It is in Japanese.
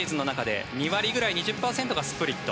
２割ぐらい２０％ぐらいがスプリット。